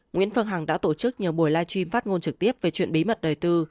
nguyễn phương hằng đã tổ chức nhiều buổi live stream phát ngôn trực tiếp về chuyện bí mật đời tư